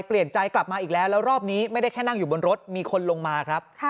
เปลี่ยนใจกลับมาอีกแล้วแล้วรอบนี้ไม่ได้แค่นั่งอยู่บนรถมีคนลงมาครับ